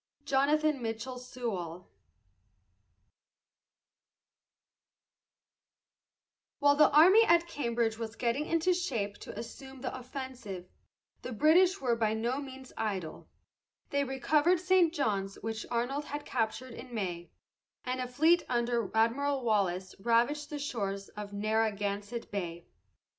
JONATHAN MITCHELL SEWALL. While the army at Cambridge was getting into shape to assume the offensive, the British were by no means idle. They recovered St. John's, which Arnold had captured in May, and a fleet under Admiral Wallace ravaged the shores of Narragansett Bay.